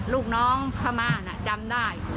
ลูกน้องพม่าน่ะจำได้